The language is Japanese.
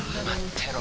てろ